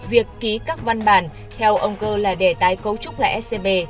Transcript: việc ký các văn bản theo ông cơ là để tái cấu trúc lại scb